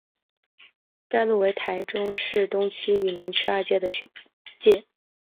该路为台中市东区与南区二区的区界。